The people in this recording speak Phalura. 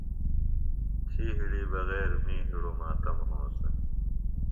تھی ہِڑی بغیر می ہِڑوۡ ماتم ہونسہ۔